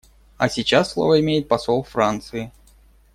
А сейчас слово имеет посол Франции.